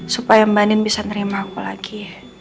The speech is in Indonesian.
supaya mbak nin bisa nerima aku lagi